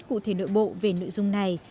cụ thể nội bộ về nội dung này